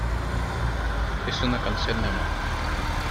Es una canción de amor.